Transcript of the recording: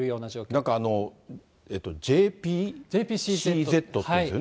なんかＪＰＣＺっていうんですよね。